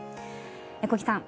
小木さん